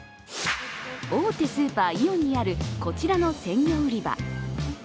大手スーパー、イオンにある、こちらの鮮魚売り場。